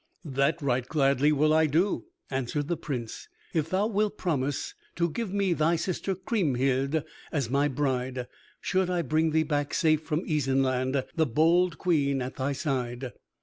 "That right gladly will I do," answered the Prince, "if thou wilt promise to give me thy sister Kriemhild as my bride, should I bring thee back safe from Isenland, the bold Queen at thy side."